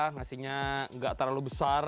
ngasihnya enggak terlalu besar